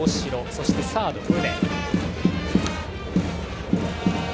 そしてサード、宗。